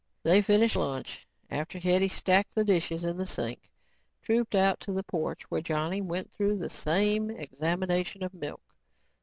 They finished lunch and, after Hetty stacked the dishes in the sink, trooped out to the porch where Johnny went through the same examination of the milk.